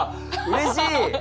うれしい！